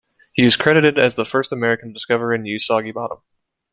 He is credited as the first American to discover and use soggy bottom.